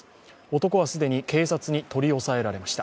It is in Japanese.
男は既に警察に取り押さえられました。